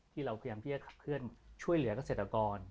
ที่เราพยายามที่จะขับเคลื่อนช่วยเหลือกเกษตรกร